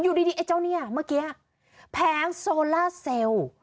อยู่ดีไอ้เจ้าเนี่ยเมื่อกี้แผงโซล่าเซลล์